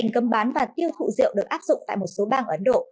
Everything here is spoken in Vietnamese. cấm bán và tiêu thụ rượu được áp dụng tại một số bang ở ấn độ